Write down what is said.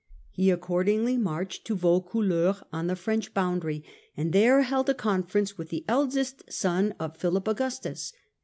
He accordingly marched to Vaucouleurs, on the French boundary, and there held a conference with the eldest son of Philip Augustus.